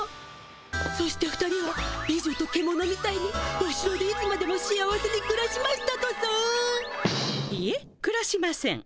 そして２人は「美女とケモノ」みたいにおしろでいつまでも幸せにくらしましたとさ♥いえくらしません。